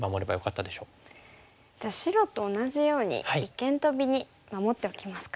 じゃあ白と同じように一間トビに守っておきますか。